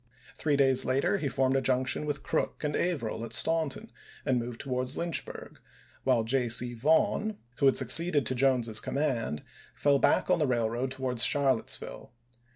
Three days later, he formed a junction with Crook and Averill at Staunton and moved towards Lynchburg, while J. C. Vaughn, who had succeeded to Jones's com 404 ABRAHAM LINCOLN PETERSBUKG 405 mand, fell back on the railroad towards Charlottes ch. xviil ville.